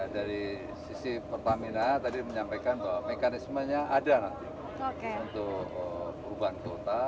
dari sisi pertamina tadi menyampaikan bahwa mekanismenya ada nanti untuk perubahan kuota